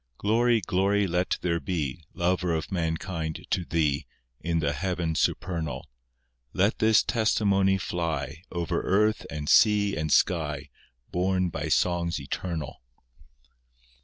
Glory, glory let there be, Lover of mankind to Thee, In the heaven supernal. Let this testimony fly Over earth, and sea, and sky, Borne by songs eternal.